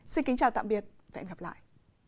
xin kính chào tạm biệt và hẹn gặp lại